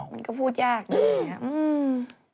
ใช่ไหมน่ะมันก็พูดยากเลย